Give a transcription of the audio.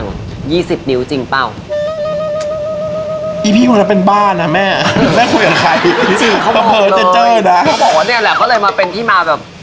เขาเลยมาเป็นที่มาแบบ